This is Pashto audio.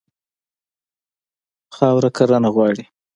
خاوره کرنه غواړي.